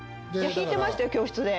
弾いてましたよ教室で。